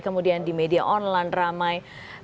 kemudian di media online ramai